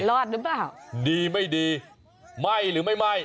รอดหรือเปล่าดีไม่ดีไหม้หรือไม่ไหม้